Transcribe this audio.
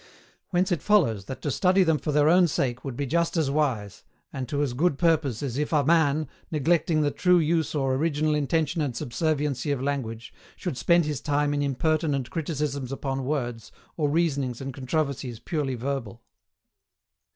Whence it follows that to study them for their own sake would be just as wise, and to as good purpose as if a man, neglecting the true use or original intention and subserviency of language, should spend his time in impertinent criticisms upon words, or reasonings and controversies purely verbal.